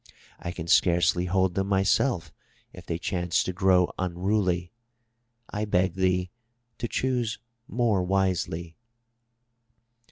I can scarcely hold them myself if they chance to grow unruly. I beg thee to choose more wisely.'